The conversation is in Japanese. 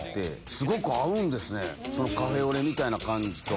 すごく合うんですねカフェオレみたいな感じと。